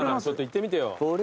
ちょっと行ってみてよ。